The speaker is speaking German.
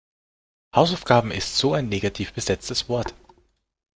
Hausaufgabe ist so ein negativ besetztes Wort.